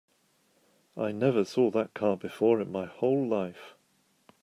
I never saw that car before in my whole life.